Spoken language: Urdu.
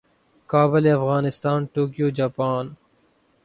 Kabul Afghanistan Tokyo Japan